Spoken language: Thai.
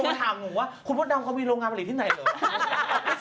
ก็ถามหนูว่าคุณมดดำเขามีโรงงานผลิตที่ไหนเหรอ